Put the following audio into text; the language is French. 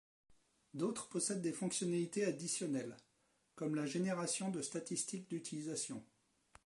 D'autres possèdent des fonctionnalités additionnelles, comme la génération de statistiques d'utilisation.